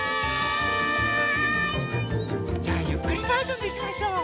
じゃあゆっくりバージョンでいきましょう。